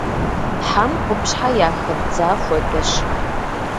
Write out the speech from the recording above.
Хьэм къупщхьэ яхэбдза хуэдэщ.